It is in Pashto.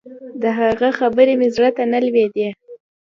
د هغه خبرې مې زړه ته نه لوېدې.